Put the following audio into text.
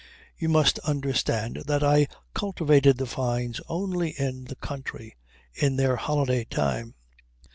You must understand that I cultivated the Fynes only in the country, in their holiday time.